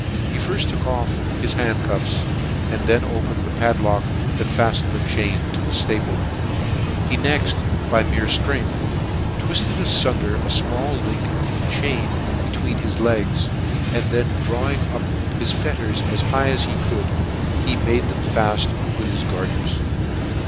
He firft took off his hand cuffs, and then opened the padlock that fattened the chain to 'the itaple. He next, by mere ftrength, twifted afuoder a fmall link of the chain JOHN SHEPPARD for Burglary. 401 chain between his legs, and then drawing np his fetters as high as he could, he made them faft with his garters.